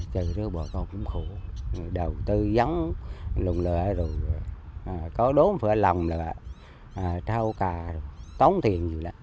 trừ rứa bà con cũng khổ đầu tư dấn lùm lửa rồi có đốm phở lòng lửa trao cà tốn tiền như vậy